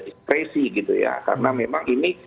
diskresi gitu ya karena memang ini